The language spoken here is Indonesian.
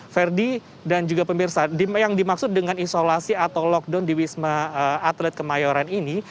ferdi dan juga pemirsa yang dimaksud dengan isolasi atau lockdown di wisma atlet kemayoran ini